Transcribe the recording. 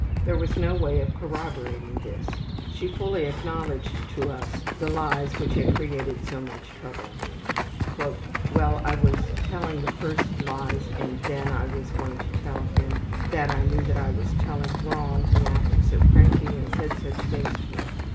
There was no way of corroborating this. She fully acknowledged to us the lies which had created so much trouble. ``Well, I was telling the first lies and then when I was going to tell him that I knew that I was telling wrong he acted so cranky and said such things to me.